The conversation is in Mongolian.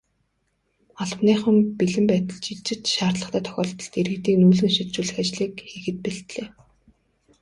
Албаныхан бэлэн байдалд шилжиж, шаардлагатай тохиолдолд иргэдийг нүүлгэн шилжүүлэх ажлыг хийхэд бэлдлээ.